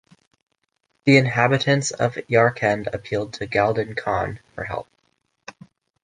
The inhabitants of Yarkend appealed to Galdan Khan for help.